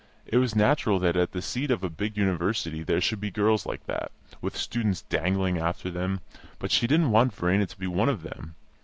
It was natural that at the seat of a big university there should be girls like that, with students dangling after them, but she didn't want Verena to be one of them.